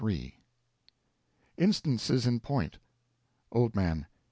III Instances in Point Old Man.